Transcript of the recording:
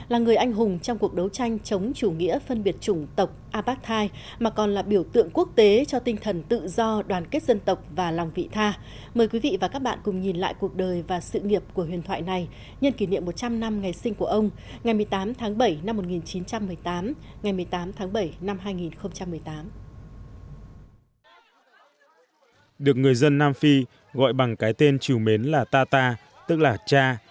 được người dân nam phi gọi bằng cái tên chiều mến là tata tức là cha